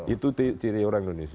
itu ciri orang indonesia